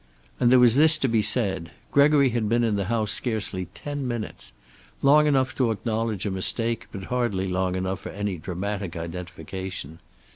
And there was this to be said: Gregory had been in the house scarcely ten minutes. Long enough to acknowledge a mistake, but hardly long enough for any dramatic identification.